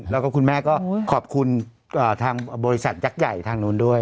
แล้วก็คุณแม่ก็ขอบคุณทางบริษัทยักษ์ใหญ่ทางนู้นด้วย